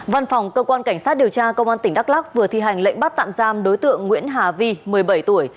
văn phòng cơ quan cảnh sát điều tra công an tỉnh đắk lắc vừa thi hành lệnh bắt tạm giam đối tượng nguyễn hà vi một mươi bảy tuổi